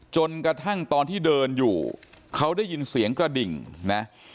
จนกระทั่งตอนที่เดินอยู่เขาได้ยินเสียงกระดิ่งนะ